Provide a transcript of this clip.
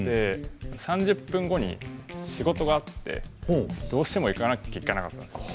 ３０分後に仕事があってどうしても行かなきゃいけなかったんですよ。